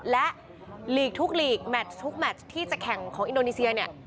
และหลีกทุกลีกแมททุกแมชที่จะแข่งของอินโดนีเซียเนี่ย